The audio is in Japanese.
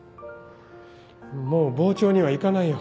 もう傍聴には行かないよ。